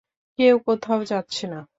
কেউ কোথাও যাচ্ছে না!